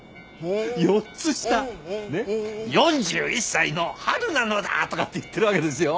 「４１歳の春なのだ！」とかって言ってるわけですよ。